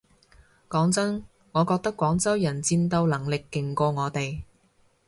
講真我覺得廣州人戰鬥能力勁過我哋